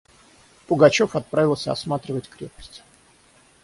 Пугачев отправился осматривать крепость.